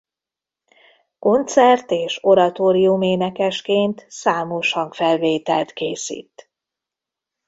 Koncert és oratórium énekesként számos hangfelvételt készít.